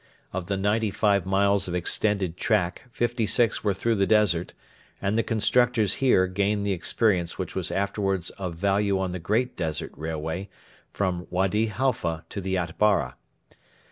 Of the ninety five miles of extended track, fifty six were through the desert, and the constructors here gained the experience which was afterwards of value on the great Desert Railway from Wady Halfa to the Atbara.